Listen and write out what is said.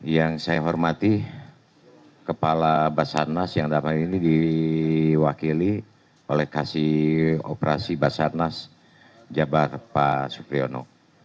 yang saya hormati kepala basarnas yang dalam hal ini diwakili oleh kasih operasi basarnas jabar pak supriyono